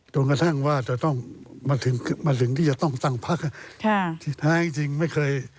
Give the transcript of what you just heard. โดนกระทั่งว่าจะมาถึงที่จะต้องตั้งพักที่ท้ายจริงไม่เคย